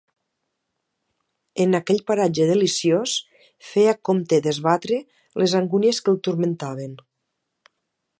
En aquell paratge deliciós feia compte d'esbatre les angúnies que el turmentaven.